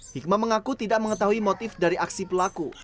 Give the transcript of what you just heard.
hikmah mengaku tidak mengetahui motif dari aksi pelaku